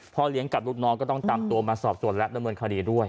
เลี้ยงกับลูกน้องก็ต้องตามตัวมาสอบส่วนและดำเนินคดีด้วย